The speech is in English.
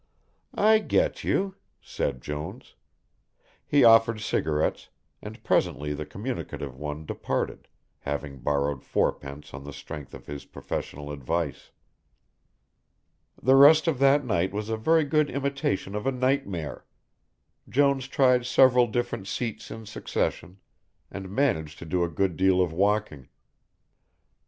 "I get you," said Jones. He offered cigarettes, and presently the communicative one departed, having borrowed fourpence on the strength of his professional advice. The rest of that night was a very good imitation of a nightmare. Jones tried several different seats in succession, and managed to do a good deal of walking.